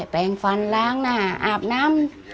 แปลงฟันล้างหน้าอาบน้ำ